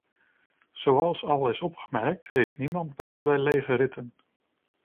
Zoals al is opgemerkt, heeft niemand baat bij lege ritten.